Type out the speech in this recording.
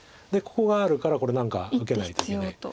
ここがあるからこれ何か受けないといけない。